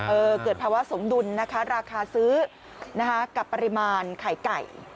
เกิดภาวะสมดุลนะคะราคาซื้อนะคะกับปริมาณไข่ไก่